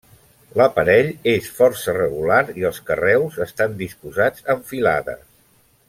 L'aparell és força regular i els carreus estan disposats en filades.